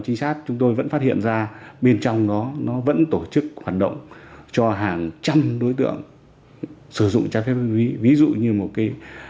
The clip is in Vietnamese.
khi chúng tôi kiểm tra có đến bảy mươi đối tượng sử dụng ma túy